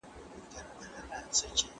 ایا په عراق کې احتکار شتون درلود؟